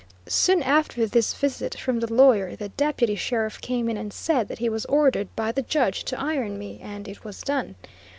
Soon after this visit from the lawyer, the Deputy Sheriff came in and said that he was ordered "by the Judge" to iron me, and it was done.